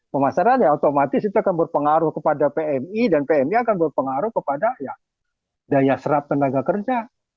pemasaran ya otomatis itu akan berpengaruh kepada pmi dan pmi akan berpengaruh kepada daya serap tenaga kerja